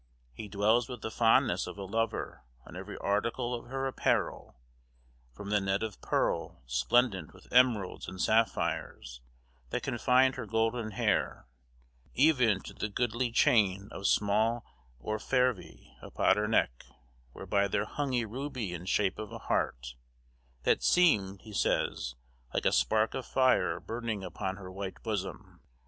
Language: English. He dwells with the fondness of a lover on every article of her apparel, from the net of pearl, splendent with emeralds and sapphires, that confined her golden hair, even to the "goodly chaine of small orfeverye" * about her neck, whereby there hung a ruby in shape of a heart, that seemed, he says, like a spark of fire burning upon her white bosom.